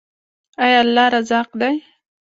آیا الله رزاق دی؟